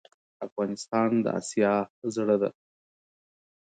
افغانستان د آسیا زړه ده.